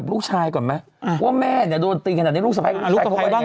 เพราะว่าแม่โดนตีขนาดนี้ลูกสะพายบ้างอยากฟัง